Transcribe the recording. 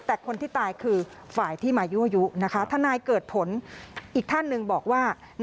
แต่คนที่ตายคือฝ่ายที่มายั่วยุนะคะทนายเกิดผลอีกท่านหนึ่งบอกว่า